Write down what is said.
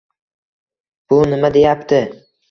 — Bu nima deyapti?